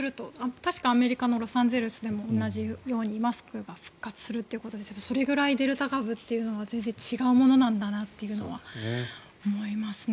確かアメリカのロサンゼルスでも同じようにマスクが復活するということですがそれぐらいデルタ株というのは全然違うものなんだなと思いますね。